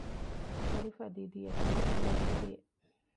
ޝަރީފާ ދީދީ އަކީ ޅެންވެރިއެއް